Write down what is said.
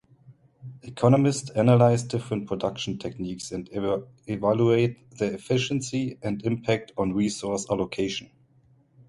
Economists analyze different production techniques and evaluate their efficiency and impact on resource allocation.